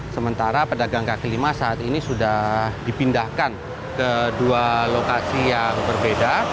sementara pedagang kaki lima saat ini sudah dipindahkan ke dua lokasi yang berbeda